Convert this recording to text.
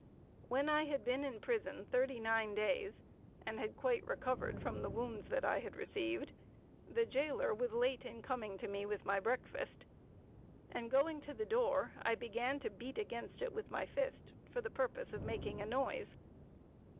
When I had been in prison thirty nine days, and had quite recovered from the wounds that I had received, the jailer was late in coming to me with my breakfast, and going to the door I began to beat against it with my fist, for the purpose of making a noise.